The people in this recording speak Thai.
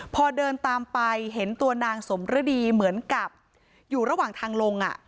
พอเดินตามไปเห็นตัวนางสมฤดีเหมือนกับอยู่ระหว่างทางลง